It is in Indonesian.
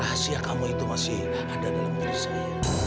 rahasia kamu itu masih ada dalam diri saya